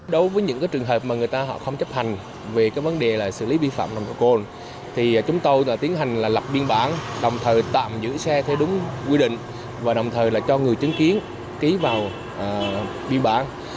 đối với những trường hợp mà người ta họ không chấp hành về vấn đề là xử lý vi phạm nồng độ cồn thì chúng tôi tiến hành là lập biên bản đồng thời tạm giữ xe theo đúng quy định và đồng thời là cho người chứng kiến ký vào biên bản